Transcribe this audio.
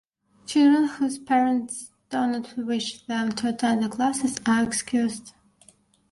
Children whose parents do not wish them to attend the classes are excused.